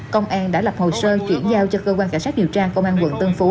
công an đã lập hồ sơ chuyển giao cho cơ quan cảnh sát điều tra công an quận tân phú